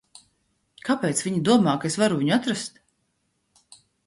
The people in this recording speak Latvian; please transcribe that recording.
Kāpēc viņi domā, ka es varu viņu atrast?